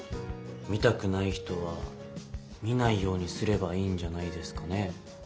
見たくない人は見ないようにすればいいんじゃないですかね。